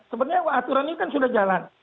sebenarnya aturan ini kan sudah jalan